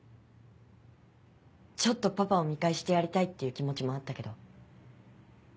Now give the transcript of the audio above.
ちょっとパパを見返してやりたいっていう気持ちもあったけど。